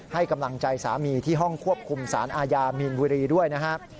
ให้กำลังใจสามีที่ห้องควบคุมสารอาญามีนบุรีด้วยนะครับ